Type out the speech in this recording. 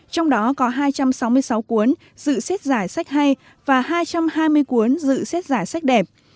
trong đó có hai trăm sáu mươi sáu cuốn dự xét giải sách hay và hai trăm hai mươi cuốn dự xét giả sách đẹp